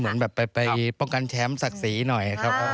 เหมือนแบบไปป้องกันแชมป์ศักดิ์ศรีหน่อยครับ